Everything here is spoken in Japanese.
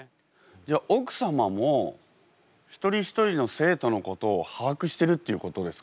じゃあ奥様も一人一人の生徒のことを把握してるっていうことですか？